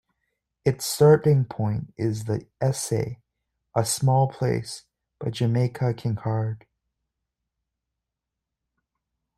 Its starting point is the essay "A Small Place" by Jamaica Kincaid.